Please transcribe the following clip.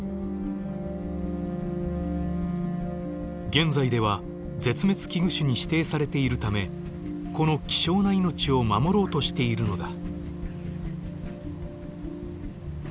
現在では絶滅危惧種に指定されているためこの希少な命を守ろうとしているのだ。